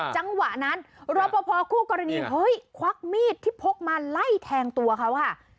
จังหวะนั้นรอปภคู่กรณีเฮ้ยควักมีดที่พกมาไล่แทงตัวเขาค่ะ